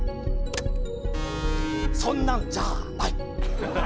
そんなんじゃない！